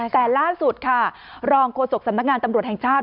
แต่ล้านสุดค่ะรองโคสกสมัครงานตำรวจแห่งชาติ